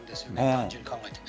単純に考えて。